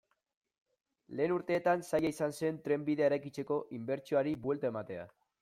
Lehen urteetan zaila izan zen trenbidea eraikitzeko inbertsioari buelta ematea.